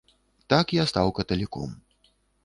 Так я стаў каталіком.